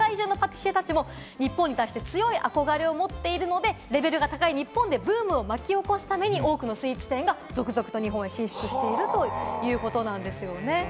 なので、世界中のパティシエたちも日本に強い憧れを持っていて、レベルが高い日本でブームを巻き起こすために多くのスイーツ店が続々と日本へ進出しているということなんです。